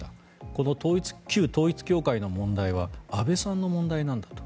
この旧統一教会の問題は安倍さんの問題なんだと。